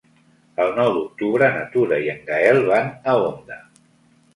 El nou d'octubre na Tura i en Gaël van a Onda.